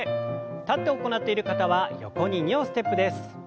立って行っている方は横に２歩ステップです。